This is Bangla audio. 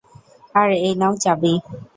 আর এই নাও চাবি।